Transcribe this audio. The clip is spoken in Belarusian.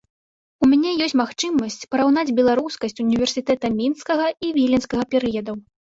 У мяне ёсць магчымасць параўнаць беларускасць універсітэта мінскага і віленскага перыядаў.